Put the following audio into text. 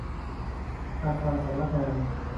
อาคารสำนักงาน